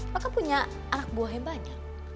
maka punya anak buahnya banyak